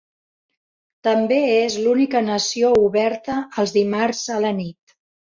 També és la única nació oberta els dimarts a la nit.